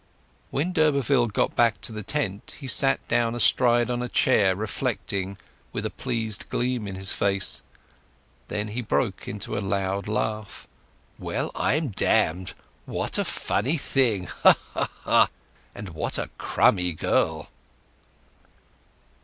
When d'Urberville got back to the tent he sat down astride on a chair, reflecting, with a pleased gleam in his face. Then he broke into a loud laugh. "Well, I'm damned! What a funny thing! Ha ha ha! And what a crumby girl!"